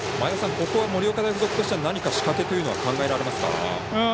ここは盛岡大付属としては何か仕掛けというのは考えられますか？